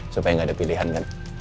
supaya nggak ada pilihan kan